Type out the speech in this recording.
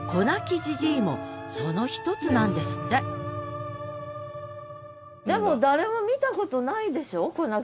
なきじじいもその一つなんですってでも誰も見たことないでしょこ